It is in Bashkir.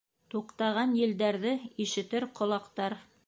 Туҡтаған елдәрҙе Ишетер ҡолаҡтар —